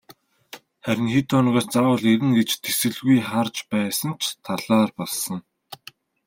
Харин хэд хоногоос заавал ирнэ гэж тэсэлгүй харж байсан ч талаар болсон.